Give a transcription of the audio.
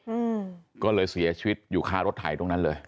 อืมก็เลยเสียชีวิตอยู่ค่ารถไถตรงนั้นเลย